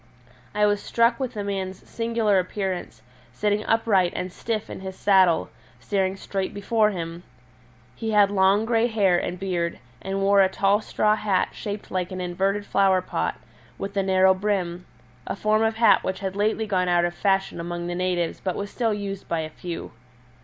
I was struck with the man's singular appearance, sitting upright and stiff in his saddle, staring straight before him. He had long grey hair and beard, and wore a tall straw hat shaped like an inverted flower pot, with a narrow brim a form of hat which had lately gone out of fashion among the natives but was still used by a few.